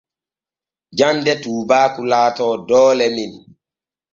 Jande tuubaaku laato doole men.